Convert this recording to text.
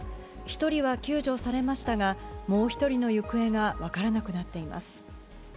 １人は救助されましたが、もう１人の行方が分からなくなっています。